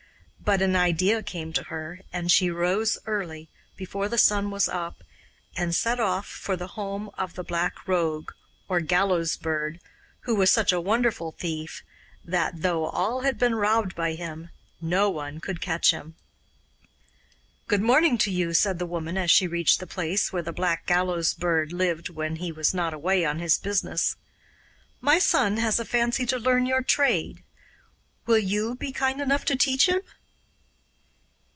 But an idea came to her, and she arose early, before the sun was up, and set off for the home of the Black Rogue, or Gallows Bird, who was such a wonderful thief that, though all had been robbed by him, no one could catch him. 'Good morning to you,' said the woman as she reached the place where the Black Gallows Bird lived when he was not away on his business. 'My son has a fancy to learn your trade. Will you be kind enough to teach him?